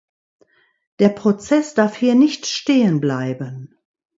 Der Prozess darf hier nicht stehen bleiben.